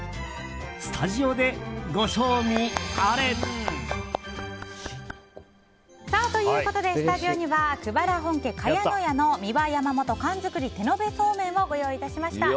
スタジオでご賞味あれ！ということでスタジオには久原本家茅乃舎の三輪山本寒づくり手延べ素麺をご用意いたしました。